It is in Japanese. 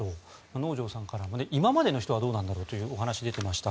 能條さんからも今までの人はどうなんだろうという話が出ていました。